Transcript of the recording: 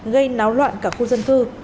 gây náo loạn cả khu dân thư